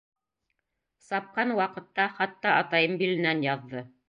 Сапҡан ваҡытта хатта атайым биленән яҙҙы...